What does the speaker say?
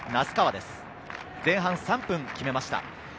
前半３分、決めました。